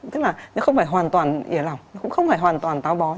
tức là nó không phải hoàn toàn ỉa lòng nó cũng không phải hoàn toàn táo bón